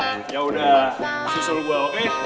yaudah susul gue oke